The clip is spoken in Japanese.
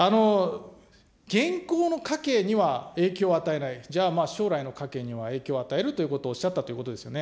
現行の家計には影響を与えない、じゃあ、将来の家計には影響を与えるということをおっしゃったということですよね。